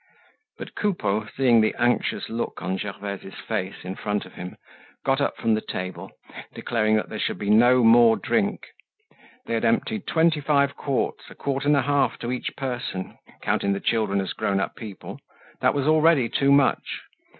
But Coupeau, seeing the anxious look on Gervaise's face in front of him, got up from the table, declaring that there should be no more drink. They had emptied twenty five quarts, a quart and a half to each person, counting the children as grown up people; that was already too much.